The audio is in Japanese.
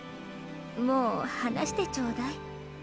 もうはなしてちょうだい。